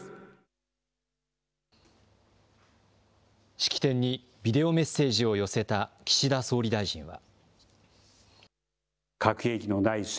式典にビデオメッセージを寄せた岸田総理大臣は。